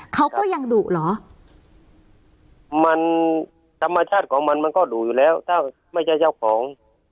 เขาก็ยังดุเหรอมันธรรมชาติของมันมันก็ดุอยู่แล้วถ้าไม่ใช่เจ้าของ